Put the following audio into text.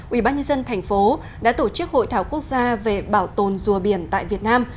ubnd thành phố đã tổ chức hội thảo quốc gia về bảo tồn dùa biển tại việt nam